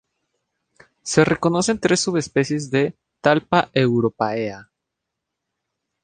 Se reconocen tres subespecies de "Talpa europaea".